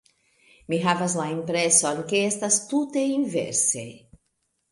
Mi havas la impreson, ke estas tute inverse.